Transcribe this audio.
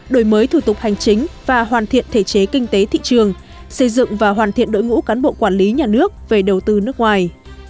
đổi mới thủ tục hành chính và hoàn thiện thể chế kinh tế thị trường xây dựng và hoàn thiện đội ngũ cán bộ quản lý nhà nước về đầu tư nước ngoài